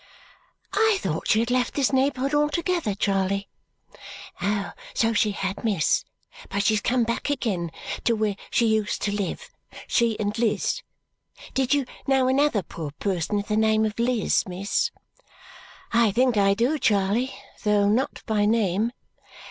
"I thought she had left this neighbourhood altogether, Charley." "So she had, miss, but she's come back again to where she used to live she and Liz. Did you know another poor person of the name of Liz, miss?" "I think I do, Charley, though not by name."